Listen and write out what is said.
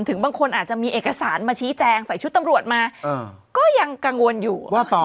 บางคนอาจจะมีเอกสารมาชี้แจงใส่ชุดตำรวจมาก็ยังกังวลอยู่ว่าต่อ